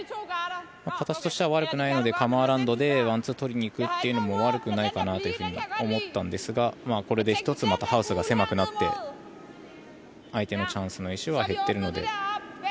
形としては悪くないのでカム・アラウンドでワン、ツーを取りにいくのも悪くないと思ったんですがこれで１つまたハウスが狭くなって相手のチャンスの石は減っているので。